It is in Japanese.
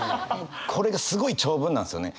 これがすごい長文なんですよね。